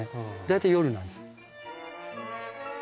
大体夜なんです。